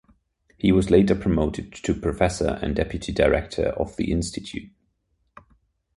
He was later promoted to professor and deputy director of the institute.